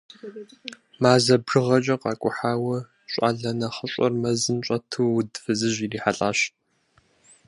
Мазэ бжыгъэкӀэ къакӀухьауэ, щӀалэ нэхъыщӀэр мэзым щӀэту уд фызыжь ирихьэлӀащ.